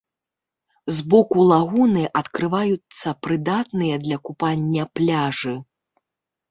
З боку лагуны адкрываюцца прыдатныя для купання пляжы.